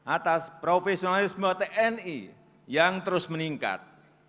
atas profesionalisme tni yang terus meningkat